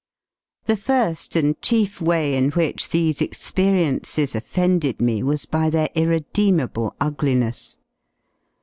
THE firs^and chief way in which these experiences offended me was by their irredeemable ugliness.